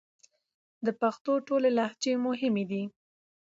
د پښتو ټولې لهجې مهمې دي